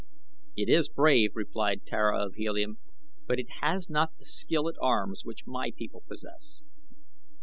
"It is brave," replied Tara of Helium, "but it has not the skill at arms which my people possess."